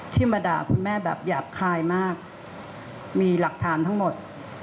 ที่มาด่าคุณแม่แบบหยาบคายมากมีหลักฐานทั้งหมด